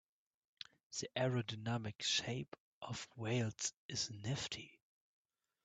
The aerodynamic shape of whales is nifty.